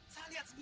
saya lihat sendiri